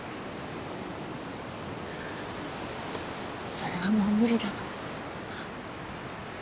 それはもう無理なの。